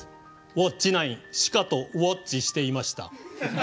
「ウオッチ９」しかとウォッチしてました。